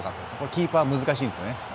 キーパー難しいんですよね。